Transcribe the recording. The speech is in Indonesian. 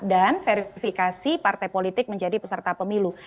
dan verifikasi partai politik menjadi peserta pemilu